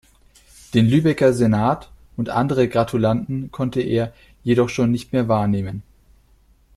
Den Lübecker Senat und andere Gratulanten konnte er jedoch schon nicht mehr wahrnehmen.